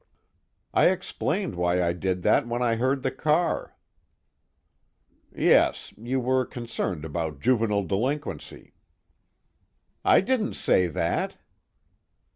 "I explained why I did that when I heard the car." "Yes, you were concerned about juvenile delinquency." "I didn't say that!"